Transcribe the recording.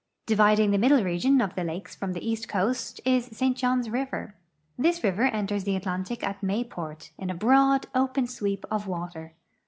Dividing the middle region of the lakes from the east coast is the St. Johns river. This river enters the Atlantic at Mayport, in a broad, open sweep of water.